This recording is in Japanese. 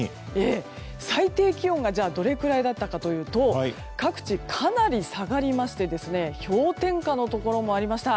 最低気温がどれくらいだったのかというと各地、かなり下がりまして氷点下のところもありました。